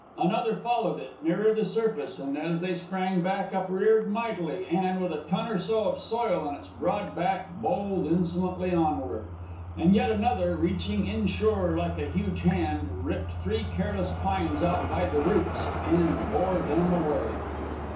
Another followed it, nearer the surface, and as they sprang back, upreared mightily, and, with a ton or so of soil on its broad back, bowled insolently onward. And yet another, reaching inshore like a huge hand, ripped three careless pines out by the roots and bore them away.